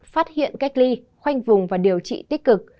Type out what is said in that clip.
phát hiện cách ly khoanh vùng và điều trị tích cực